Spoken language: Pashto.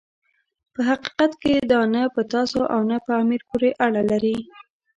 په حقیقت کې دا نه په تاسو او نه په امیر پورې اړه لري.